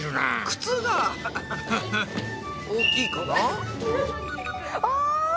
靴が大きいかな。